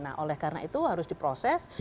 nah oleh karena itu harus diproses